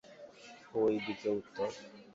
ওই দিকে উত্তর।